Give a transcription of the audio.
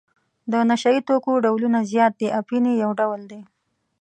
د نشه یي توکو ډولونه زیات دي اپین یې یو ډول دی.